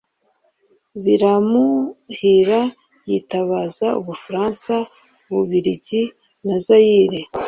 biranamuhira yitabaza u bufaransa, u bbiligi, na zayire.